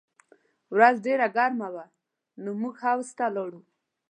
ورځ ډېره ګرمه وه نو موږ حوض ته لاړو